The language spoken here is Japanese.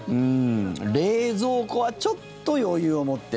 冷蔵庫はちょっと余裕を持って。